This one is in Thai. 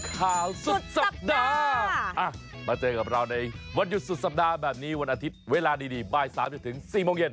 ก็เจอกับเราในวันยุคสุดสำดาบแบบนี้วันอาทิตย์เวลาดีดีบ่าย๓๔โมงเย็น